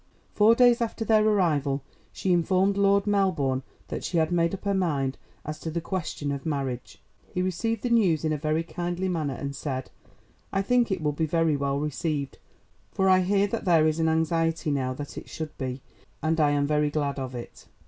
Four days after their arrival she informed Lord Melbourne that she had made up her mind as to the question of marriage. He received the news in a very kindly manner and said: "I think it will be very well received, for I hear that there is an anxiety now that it should be, and I am very glad of it.